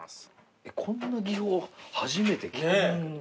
こんな技法初めて聞く。